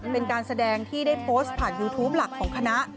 เป็นการแสดงที่ได้โพสต์ผ่านยูทูปหลักของคณะ